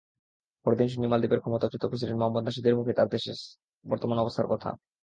পরদিন শুনি মালদ্বীপের ক্ষমতাচ্যুত প্রেসিডেন্ট মোহাম্মদ নাশিদের মুখে তাঁর দেশের বর্তমান অবস্থার কথা।